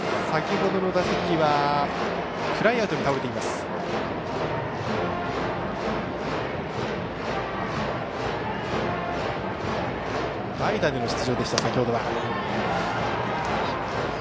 先ほどは代打での出場でした。